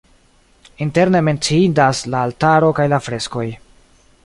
Interne menciindas la altaro kaj la freskoj.